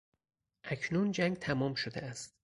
اکنون جنگ تمام شده است.